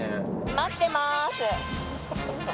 待ってまーす。